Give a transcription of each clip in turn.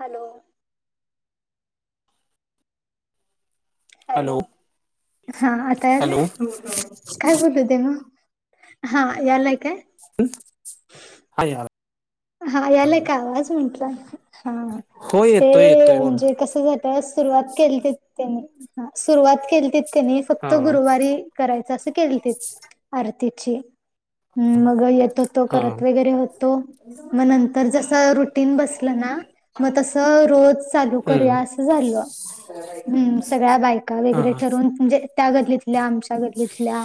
Hello! Hello हा आताय hello आलाय? काय बोलते ना हा यालाय काय? [unintelligible] हा याला का आवाज म्हटलं हा हो ते येतोय येतोय बोल म्हणजे कस सुरुवात केली त्यांनी सुरवात केली त्यांनी हा फक्त गुरुवारी करायचं असं केलं ते आरतीची हम् मग येत होतो हा करत वगैरे होतो. मग नंतर जस रुटीन बसलं ना मग तसं रोज चालू हम्म करूया अस झालं सगळ्या बायका हा वगैरे ठरवून त्या गल्लीतल्या आमच्या लीतल्या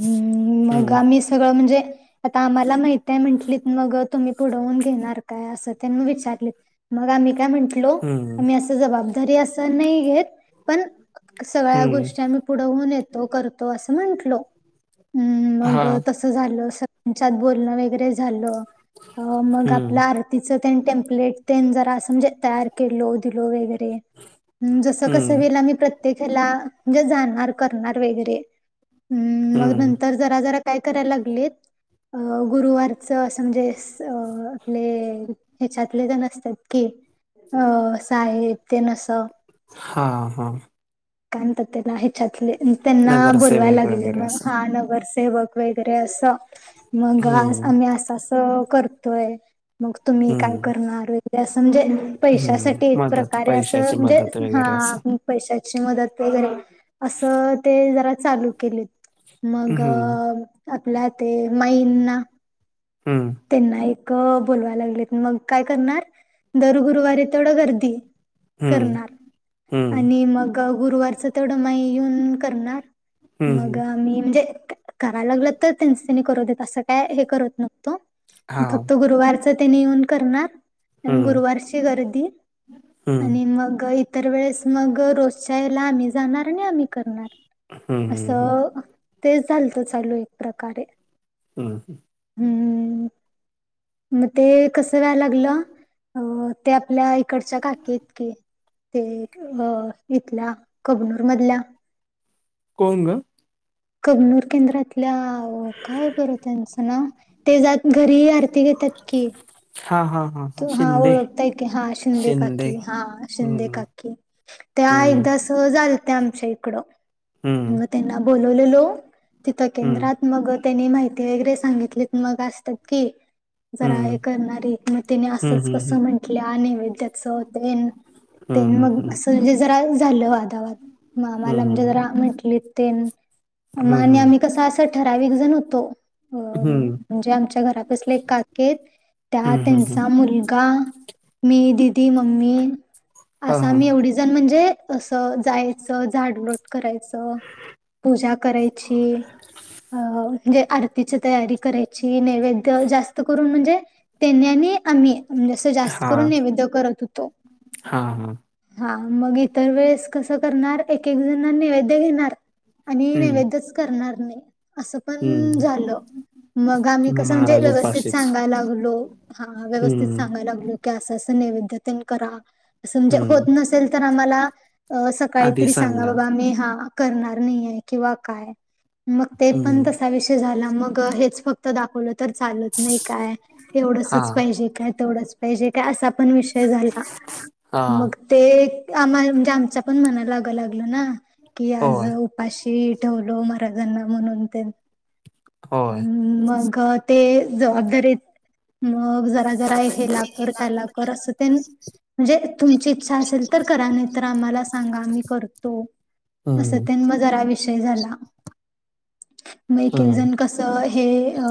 मग हम्म आम्ही सगळं म्हणजे आता आम्हाला माहिती आहे म्हंटली मग तुम्ही पुढवून घेणार काय अस त्यां विचारले मग आम्ही काय म्हण हम्म आ अस जबाबदारी अस नाही घेत पण सगळ्या हम्म गोष्टी आम्ही पुढवून येतो करतो असं म्हंटलो. हम् हा मग तसं झालं सच्यात बोलणं वगैरे झालं. अ मग हम्म आपल्या आरतीच टेम्पलेट ते जरा समजे तयार केलो दिलो वेगरे हम्म [unintelligible] व हम्म काय करायला लागलेत गुरुवारच असं म्हणजे अ आपले ह्याच्यातले जण असतात. कि अ असं आहे्य नस. हा हा. कात तेला ह तले त्यांना बोवाय नगरसेवक लागले वगैरे मग असं हा नगरसेवक वगैरे असं मग हम्म आम्ही असं अस करतोय. मग तुम्ही काय हम्म करणार वगरे असं म्हणजे हम्म पैशासाठी एक मदत प्रकारे असं पैशाची म्हणजे मदत हा वगैरे असं पैशाची मदत वगैरे असं ते जरा चालू केले. मग हम्म आपल्या ते मईंना. हम्म त्यांना एक बोोलवायला लागले मग काय करणार. दर गुरुवारी तेवढं गर्दी हम्म करणार हम्म आणि मग गुरुवारच तेवढं माई येऊन करणार. मग हम्म मी म्हणजे करायला लागल तर त्यांच त्यांनी करू देत असं काय हे करत नकतो. हा फक्त गुरुवारच तेनी येऊन करणार. हम्म गुरुवारची गर्दी हम्म आणि मग तर वेळेस मग रोजच्या याला आम्ही जाणार आणि आम्ही करणार हम्म असं. तेच झालतं चालू एक प्रकारे हा ह. हम्म. मग ते कसं व्यायला लागलं अ ते आपल्या इकडच्या काकीत की ते इथल्या कबनूरमधल्या कोणग. कगनूर केंद्रातल्या काय बरं त्यांचं ना. ते जात घरीही आरती घेतात की हा हा हा. तू हा ओळखताय की हा शिंदे काकी हा शिंदे हम्म काकी ते हम्म एकदा. झालत आमच्या इकडं हम्म म त्यांना बोलवलेलो. तिथं हं, केंद्रात मग त्यांनी माहिती वगैरे सांगितलीत मग असतात की जरा हे हं, करणारी म तिने हं, असंच हं, कस हं, म्हंटलं नैवेद्याच होते. ते हं, मग हं, असं म्हजे जरा झालं वाधावाद मग हं, आम्हाला म्हणजे हं, जरा म्हटले ते हं, आणि हं, आम्ही कसं असं ठराविक जण होतो. अ हं, म्हणजे आमच्या घरातसले काकेत त्यात हं, हं, हं. मुलगा मी दिदी मम्मी हां, असा मी हां. एवढीच. ण म्हणजे असं जायचं झाडट. करायचं पूजा करायची. अ म्हणजे आरतीची तयारी करायची. त म्हण आम्. जास्त करून हां, नैवेद करत होतो. हां, हां. हा मग इतर वेळेस कसं करणार एक एक जण नैवेद्य घेणार. आणि हं, नैवेदच करणार नाही. असं हं. पण झालं मग आम्ही कसं म्हणजे महाराज व्यवस्थित उपाशीच. सांगायला लागलो. हा व्यवस्थित हं, सांगायला लागलो की असं अस नैवेद्यते करा असं म्हणजे हं. होत नस. असल तर आम्हाला सकाळी तरी सांगा बाबा आम्ही हा. नाही किंवा काय म पण हं. त झाला मग हेच फक्त दाखवलं तर चालत नाही काय? तेवढंचच हां, पाहिजे काय तेवढंच पाहिजे काय असा पण विषय झाला हां. मग ते आम्हा म्हणजे आमचा पण मनाला लागं लागल ना की आज. होय, पाशी ठेवलो मराजांना म्हणून ते होय. मग ते जबाबदारीत मग जरा जरा हे ला कर त्याला कर असं ते म्हणजे तुमची इच्छा असेल तर करा नाही तरर आम्हाला सांगा आम्ही करतो असं हं, त्यां म जरा विषय झाला मग एक हं. जण कस हे अ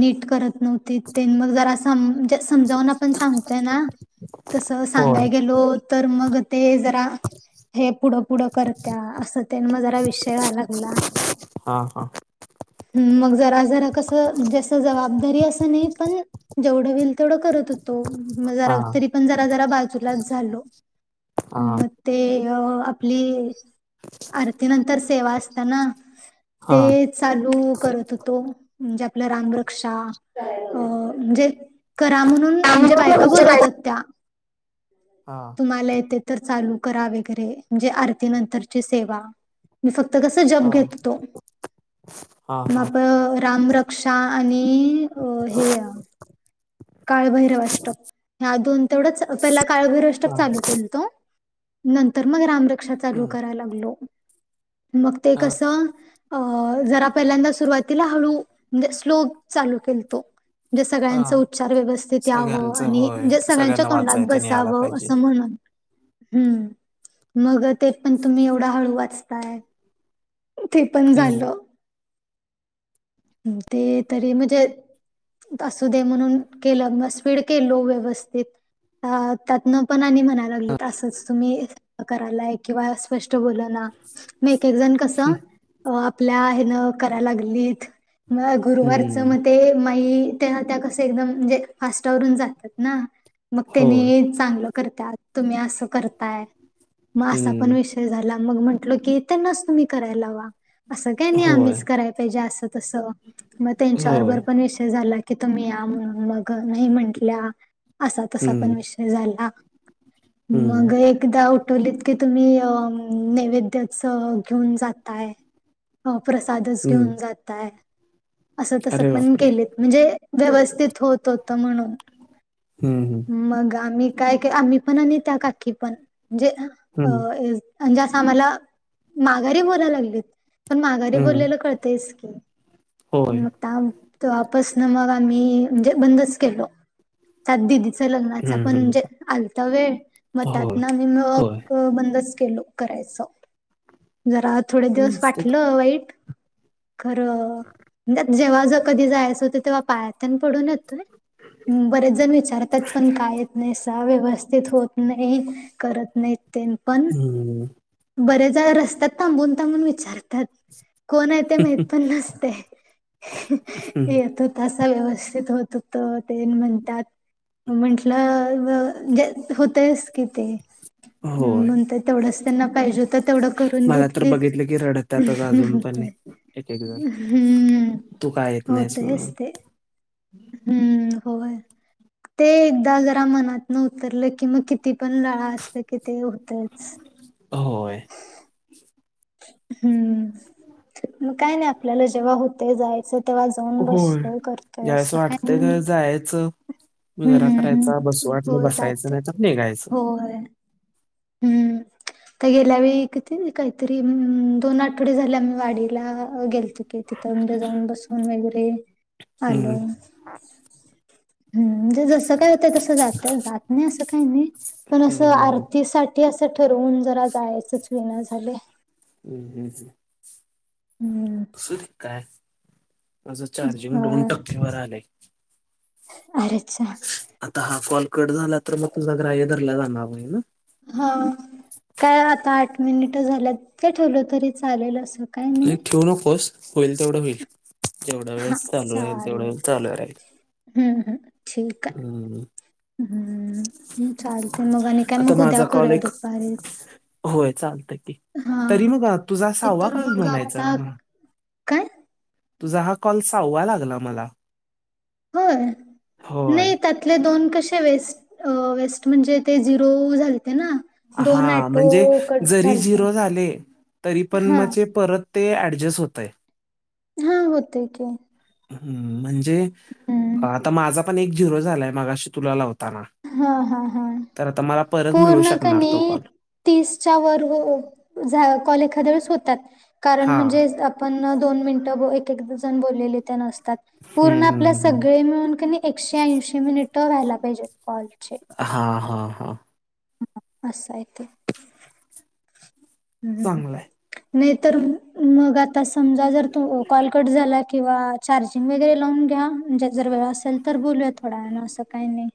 नीट करत नव्हत त मग जरा स समजावून आपण सांगतोय ना तसं होय. सांगाय गेलो तर मग ते जरा हे पुढं पुढं करत्या असं त्यांना जरा विषय व्हायला लागला. हा हा. मग जरा जरा कस जस जबाबदारी अस. पण जेवढे होत होते तेवढे करत होतो. हां, पण जरा जरा बाजूलाच झालो हां, म. ते आपली आरती नंतर सेवा असताना. ते हां. चालू करत होतो म्हणजे आपला रामरक्षा. अ म्हणजे करा म्हणून हां, म्हणजे हां, हां, बायका बोलवतात त्या. तुम्हाला येते तर चालू करा वगैरे म्हणजे आरती नंतरची सेवा. मी फक्त कसं जप घेत होतो. हां, हां. मग रामरक्षा आणि अ हे. काळभैरवाष्टप ह्या दोन तेवढंच पहिला काळभैरवाष्टप चालू केतो. नंतर मग रामरक्षा चालू हं, कराय लागलो मग ते हां, कसं. अ जरा पहिल्यांदा सुरुवातीला हळूे स्लो चालू केले. तो सगळ्यांचे हां. उच्चार व्यवस्थित. वं सगळ्यांचं आणि होय. म्हणजे सगळ्यांच्या सगळ्यांना तोंडात वाचायला ते न्यायला बसावं पाहिजे. असं म्हण. हम्म मग ते पण तुम्ही एवढा हळू वाचताय. ते पण हं, झालं. ते तरी म्हणजे. असू दे म्हणून केलं म स्पीड के लो व्यवस्थित. ह त्यातन पण आणि. म्हणायला लागली तर तुम्ही करायला किंवा स्पष्ट बोलना. मग एक एक जण कसं आपल्या हन करायला लागलीत. म गुरुवारचं हं. म ते माई. त्या त्या कस एकदम म्हणजे फास्टवरून जातात ना मग होय. त्यानी. चांगलं करतात तुम्ही असं करताय. मग हं. विषय झाला की त्यांनाच तुम्ही करायला लावा नाही होय, आम्हीच कराय पाहिजे अस. मग होय. त्यांच्याबरोबर पण विषय झाला की तुम्ही या म्हणून मग नाही म्हंटल्या. असा तसा हं, पण विषय झाला मग हं, एक. एकदा उठवलीत की तुम्ही अ नैवेद्यच घेऊन जातय. अ प्रसादच हं. घेऊन जातय. असं तसं अरे पण बापरे! केलेत म्हणजे व्यवस्थित होत होत म्हणून. हं, हं, मग आम्ही काय आम्ही पण आणि त्या काकी पण म्हणजे अ. मला हं, आणि त्या काकींना माघारी बोलायला लागली पण माघारी हं. बोललेलं कळतच की. होय. मग तवापासून आम्ही मग आम्ही म्हणजे बंदच केलो. त्यात दिदीच लग्नाचा हं, पण हं. म्हणजे आलता वेळ मतात होय, ना. होय. बंदच केलो करायच जरा. थोडे हम्म दिवस असतात. वाटलं वाईट. खरं म्हणज जेव्हा ज कधी जायचं होत तेव्हा पायातन पडून येतोय. बरेच जण विचारतात पण काय येत नाही स व्यवस्थित होत नाही. करत नाहीत तरीपण. हम. बरेच जण रस्त्याात थांबून थांबून विचारतात कोण आहे ते माहिती. पण नसते हं. यात. तसा व्यवस्थित होत त ते म्हणतात. म्हटलं ज होतयस कि ते. होय. म्हणतय तेवढंच त्यांना पाहिजे होतं तेवढं करून मला तर घेतली बघितलं की रडतातच अजून पण म्हणतय. एक-एक जण. हम्म तू का येत नाहीस होतयच म्हणून. ते हम्म होय. ते एकदा जरा मनात न उतरले की मग किती पण लळा असले. कि ते होतच. होय. हम्म मग काय नाही आपल्याला जेव्हा होते जायचं. तेव्हा जाऊन होय. बसतोय करतोय ज्यावेळेस असं काही वाटतंय नाही. त्यावेळेस जायचं, मुजरा हम्म करायचा, बसू हो वाटलं बसायचं जात नाहीतर निघायचं. होय. हम्म काला भी इकतीन कायतरी दोन आठवडे झाले आम्ही वाडीला गेलतो की तिथं म्हणजे जाऊन बसून वगैरे हं, हॅलो. ह् म्हणजे जसं काय होत तस जात जात नाही असं काही नाही पण हं, असं हं, हं. आरती साठी असं ठरवून जरा जायचच विना झाले. हम् हम्. हम्म. असताय माझं चार्जिंग दोन होय. टक्केवरर आलंय. अरचछा. आता हा कॉल कट झाला तर मग तुझा ग्रा्यधरला जाणारई ना. हा काय आता आठ मिनिट झाल्यात ते ठेवलं तरी चालेल अस काय? नाही ठेवू नकोस होईल तेवढं होईल जेवढा वेळ हा चालू राहील तेवढा चालेल. वेळ चालू राहील. हम्म हम ठीक आहे. हम्म. हम्म चालते मग आणि काय आता मग उद्या माझा कॉल करूया एक दुपारी होय चालतं की हा तरी मग तुझा ते सवा तर काल मग म्हणायचा आता ह. काय? तुझा हा कॉल सवा लागला मला होय होय नाही त्यातले दोन कसे वेस्ट अ वेस्ट म्हणजे ते झिरो झाले ते ना. दोन हा ऍटो म्हणजे कट जरी झालते झिरो झाले तरी पण हा मग ते परत. ते ॲडजस्ट होत आहे. हा होत क हम्म म्हणजे हम्म आता माझा पण एक झिरो झालाय मागाशी तुला लावताना हा हा हा तर आता मला परत मिळू पूर्ण शकणार तो कनी कॉल तीसच्या वर कल एखादच होतात कारण हां. म्हणजे दो मिन बलेतात हं, पूर्ण हं, आपल्या स हं, हं. मिून एकशे ऐंशी मिनिट व्हायला पाहिजेत कॉलचे हा हा हा. ह असं य ते हम्म. चांगलं आहे. नाही तरर मग आता समजा जर तू कॉलकट झाला किंवा चार्जिंग वगैरे लावून घ्या म्हणजे जर वेळ असेल तर बोलूया थोडा वणं असं काही नाही.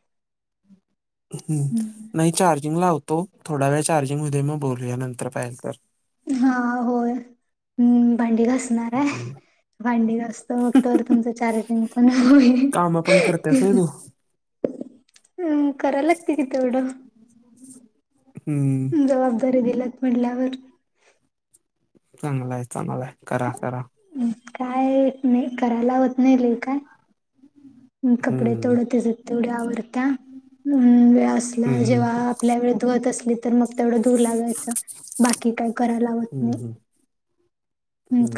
ह् हम्म. नाही चार्जिंग लावतो थोडा वेळ चार्जिंगमध्ये मग बोलूया नंतर पाहिल तर हा होय् भांडी घासणार आहे. हं. भांडी असत फगत तुमचं चारटंच नाव होईल. कामं पण करतेस होय तू? हम् कराय लागते कि तेवढं. हम्म. जबाबदारी दिलत म्हणल्यावर चांगलं आहे चांगलाय करा करा. काय नाही करायला होत नाही ल काय. कपडे हं. थोड तेसत तेवढ्या आवडत्या वेळ हं, असला हं. जेव्हा आपल्या वे धुवत असली तर मग तेवढं धूर लागायचं बाकी काय करायला लावत हं, नाही. हं,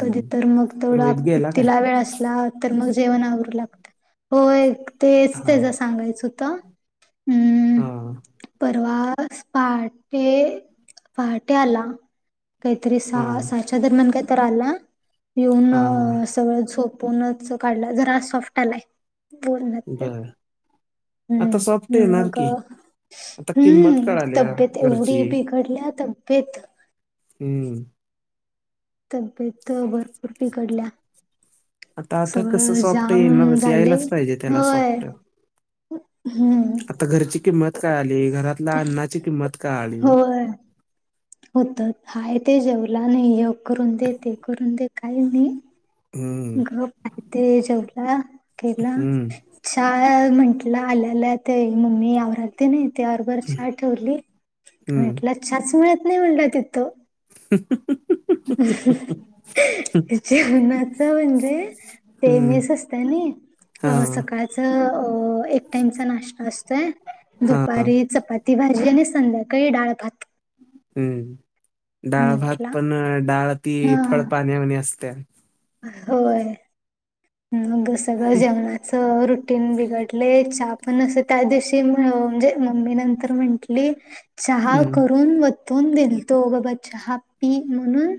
कधी तर मग तेवढा रोहित गेला काय? तिला वेळ असला तर मग जेवण आवरू लागत होय तेच त्याचा हां, सांगायचंत हम्म हां, परवास पाठ ते पहाटे आला काहीतरी स हां, साच्या दरम्यान का तर आला हां, हां. येऊन सगळं झोपूनच काढलं जरा सॉफ्ट आलाय बोल बरं. आता सॉफ्ट हम्म येणार मग की. आता किंमत हम्म कळाल्या तब्येत एवढी घरची. बी कडल्या तब्येत हम्म तब्येत भरपूर पिघडल्या आता आता कसं सॉफ्ट जाम येणारच झाले यायलाच पाहिजे त्याला होय सॉफ्ट हम्म आता घरची किंमत काय आली घरातल्या अन्नाची किंमत काय आली बर होत हाय ते जेवला नाही य करून दे ते करून दे काही नाही हम्म, ग पाहते जेवला केला हम्म, चछ म्हंटलं आलेला ते मम्मी यावर आ त नाही त हरभार हा ठेवली हम्म. आणिला चाच मिळत नाही म्हणलं तिथथं ह जेवणाच म्हणजे हम्म, मेस असत ना अ हां, सकाळच एक टाइमचा नाश्ता असतोय हां, दुपारी चपाती भाजी आणि संध्याकाळी डळ भात हम्म डाळ भात म्हटला पण डाळ ती फळ हा पाण्यावाणी असते होय मग सगळं जेवणाच रुटीन बिघडले चा पण असं त्या दिवशी म्हणजे मम्मी नंतर म्हंटली चहा हम्म, करून दोन दिल तो ग ब हॅप्पी म्हणून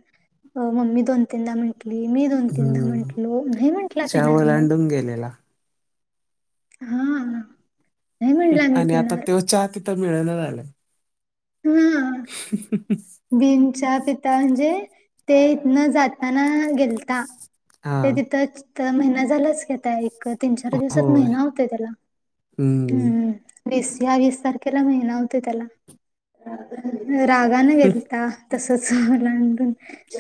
मम्मी दोन तीनदा म्ह मी दोन तीनदा हम्म. म्हटलो नाही म्ह चहा ओलाडून गेलेला हा नाही म्हंटला मी आणि आता पिणार तेव चहा तिथं मिळल झालं हम्म [inaudible] बिंच्या पिता म्हणजे ते इथन जाताना गेलता ते हां, तिथंच तर महिना झालाच घता एक तीन चार दिवसात होय. महिना होत त्याला हम्म वीस या वीस तारखेला महिना होते त्याला रागान गेलता तसच ओलांडून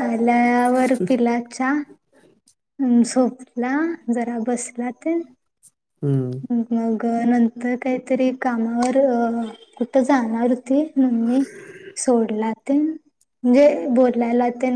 आल्यावर पिला चहा पिलाच्या ह अ झोपला जरा बसला तर हम्म. मग नंतर काहीतरी कामावर अ कुठं जाणारच ममी सोडला ते म्हणजे बोलायला ते